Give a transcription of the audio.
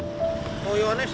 bisa kan mbah kalau tidak apa mbah